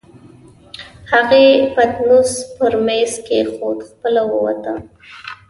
هغې پتنوس پر مېز کېښود، خپله ووته.